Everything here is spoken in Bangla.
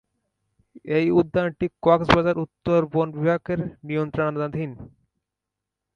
এ উদ্যানটি কক্সবাজার উত্তর বন বিভাগের নিয়ন্ত্রণাধীন।